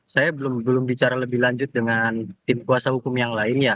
saya belum bicara lebih lanjut dengan tim kuasa hukum yang lainnya